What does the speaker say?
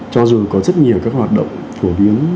cho dù có rất nhiều các hoạt động phổ biến